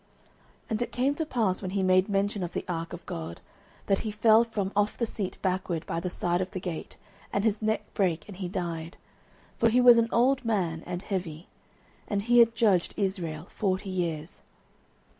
09:004:018 And it came to pass, when he made mention of the ark of God, that he fell from off the seat backward by the side of the gate, and his neck brake, and he died: for he was an old man, and heavy. And he had judged Israel forty years.